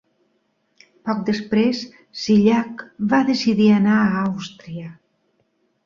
Poc després, Csillag va decidir anar a Àustria.